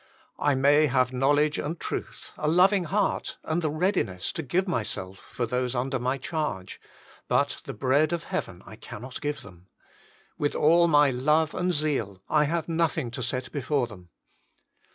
I may have knowledge and truth, a loving heart, and the readiness to give myself for those under my charge ; but the bread of heaven I cannot give them. With A MODEL OF INTERCESSION 37 all my love and zeal, " I have nothing to set before them."